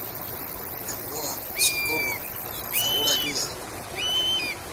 ¡ Gamboa! ¡ socorro !¡ por favor, ayuda !